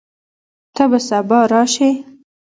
ته به سبا راشې؟